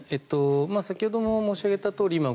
先ほども申し上げたとおり